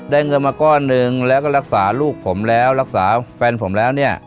เงินมาก้อนหนึ่งแล้วก็รักษาลูกผมแล้วรักษาแฟนผมแล้วเนี่ย